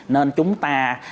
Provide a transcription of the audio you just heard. nên chúng ta